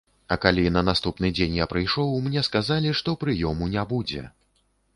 А калі на наступны дзень я прыйшоў, мне сказалі, што прыёму не будзе.